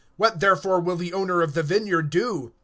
(9)What therefore will the lord of the vineyard do?